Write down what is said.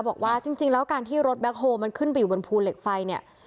บอกว่าจริงแล้วการที่รถแคคโฮลมันขึ้นไปอยู่บนภูเหล็กไฟเนี่ย